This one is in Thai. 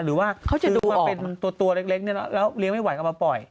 หรือว่าเขาจะดูมาเป็นตัวเล็กแล้วเลี้ยงไม่ไหวเอามาปล่อย